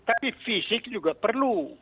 tapi fisik juga perlu